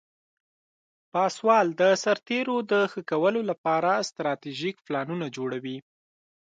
پاسوال د سرتیرو د ښه کولو لپاره استراتیژیک پلانونه جوړوي.